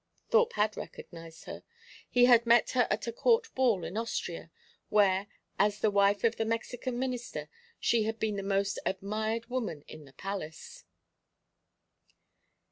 Thorpe had recognised her. He had met her at a court ball in Austria, where, as the wife of the Mexican minister, she had been the most admired woman in the palace.